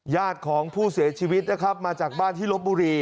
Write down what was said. ญาติของผู้เสียชีวิตนะครับมาจากบ้านที่ลบบุรี